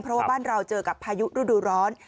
เพราะว่าบ้านเราเจอกับพายุฤดูร้อน